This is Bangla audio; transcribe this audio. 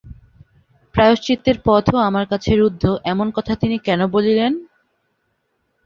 প্রায়শ্চিত্তের পথও আমার কাছে রুদ্ধ এমন কথা তিনি কেন বলিলেন?